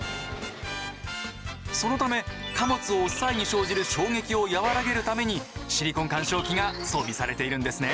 そのため貨物を押す際に生じる衝撃を和らげるためにシリコン緩衝器が装備されているんですね。